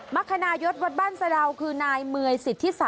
มรรคนายศวรรษบ้านเซอดาวคือนายเมยร์สิทธี๓